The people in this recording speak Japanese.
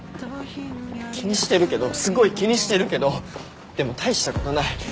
気にしてるけどすごい気にしてるけどでも大したことない。